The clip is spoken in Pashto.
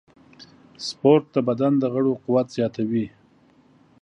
سپورت د بدن د غړو قوت زیاتوي.